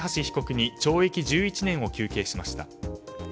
被告に懲役１１年を求刑しました。